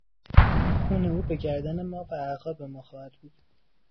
خون او به گردن ما و اعقاب ما خواهد بود.